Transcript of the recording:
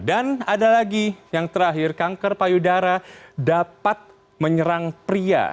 dan ada lagi yang terakhir kanker payudara dapat menyerang pria